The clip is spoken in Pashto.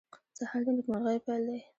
سهار د نیکمرغیو پېل دی.